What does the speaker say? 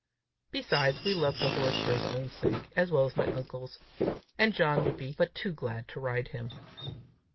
Besides, we loved the horse for his own sake as well as my uncle's, and John would be but too glad to ride him!